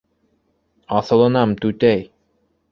Аҫылынам, түтәй!